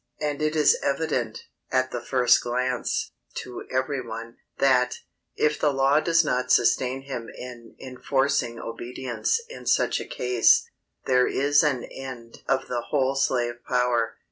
And it is evident, at the first glance, to every one, that, if the law does not sustain him in enforcing obedience in such a case, there is an end of the whole slave power.